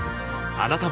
あなたも